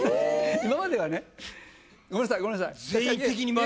今まではねごめんなさいごめんなさいははははっ